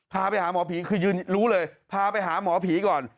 พาไปหาหมอผีคือยืนรู้เลยพาไปหาหมอผีก่อน